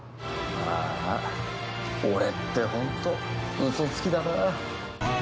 あーあ、俺って本当、うそつきだな。